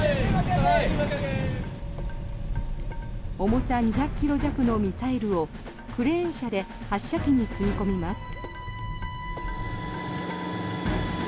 重さ２００ｋｇ弱のミサイルをクレーン車で発射機に積み込みます。